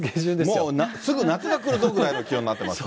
もうすぐ夏が来るぞぐらいの気温になってますね。